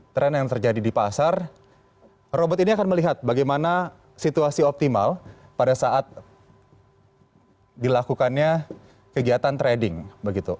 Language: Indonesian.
trend yang terjadi di pasar robot ini akan melihat bagaimana situasi optimal pada saat dilakukannya kegiatan trading begitu